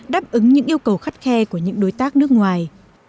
đáp ứng những yêu cầu khắt khe của những đối tác nước ngoài